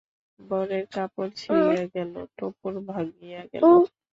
বরের কাপড় ছিঁড়িয়া গেল, টোপর ভাঙিয়া গেল।